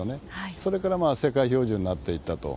それから世界標準になっていったと。